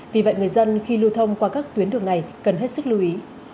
vì vậy người dân khi lưu thông qua các tuyến đường này cần hết sức lưu ý